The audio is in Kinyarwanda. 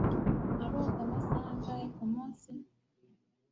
aroga amasaha angahe kumunsi?